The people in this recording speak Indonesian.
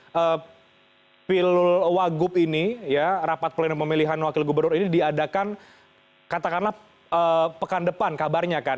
karena pilwagup ini ya rapat pemilihan wakil gubernur ini diadakan katakanlah pekan depan kabarnya kan